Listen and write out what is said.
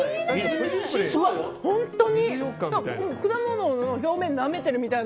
本当に果物の表面をなめているみたい。